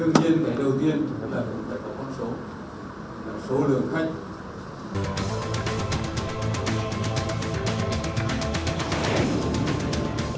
tương nhiên cái đầu tiên là chúng ta có con số là số lượng khách